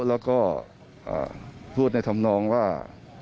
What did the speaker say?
แล้วก็พูดในธรรมนองว่า